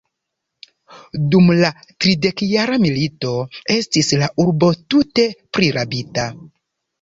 Dum la tridekjara milito estis la urbo tute prirabita.